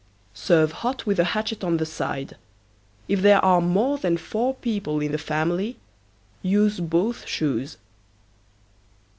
Serve hot with a hatchet on the side. If there are more than four people in the family use both shoes.